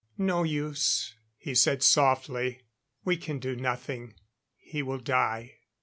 "No use," he said softly. "We can do nothing. He will die."